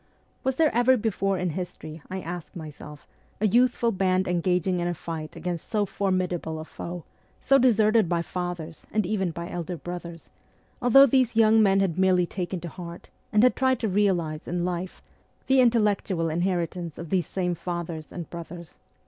"Was there ever before in history, I ask myself, a youthful band engaging in a fight against so formidable a foe, so deserted by fathers and even by elder brothers, although those young men had merely taken to heart, and had tried to realize in life, the intellectual inheritance of these same fathers and brothers?